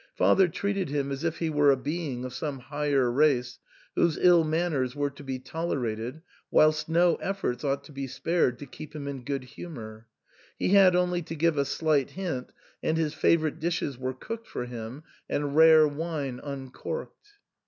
Father treated him as if he were a being of some higher race, whose ill manners were to be tolerated, whilst no efforts ought to be spared to keep him in good humour. He had only to give a slight hint, and his favourite dishes were cooked for him and rare wine uncorked.